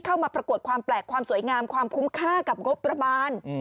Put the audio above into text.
ประกวดความแปลกความสวยงามความคุ้มค่ากับงบประมาณ